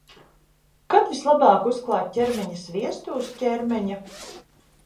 Kad vislabāk uzklāt ķermeņa sviestu uz ķermeņa?